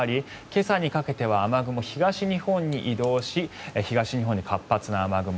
今朝にかけては雨雲、東日本に移動し東日本に活発な雨雲。